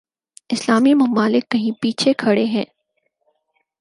اسلامی ممالک کہیں پیچھے کھڑے ہیں۔